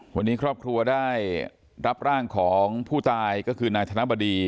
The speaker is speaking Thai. วันนี้ครอบครัวได้รับร่างของผู้ตายก็คือนายธนบดี